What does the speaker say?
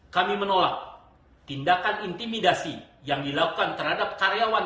kami menolak tindakan intimidasi yang dilakukan terhadap karyawan